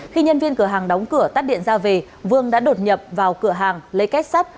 khi nhân viên cửa hàng đóng cửa tắt điện ra về vương đã đột nhập vào cửa hàng lấy kết sắt